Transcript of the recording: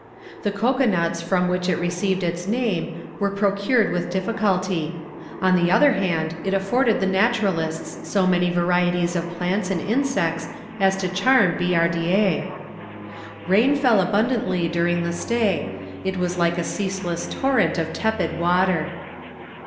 The cocoa nuts from which it received its name were procured with difficulty. On the other hand, it afforded the naturalists so many varieties of plants and insects as to charm Billardière. Rain fell abundantly during the stay; it was like a ceaseless torrent of tepid water.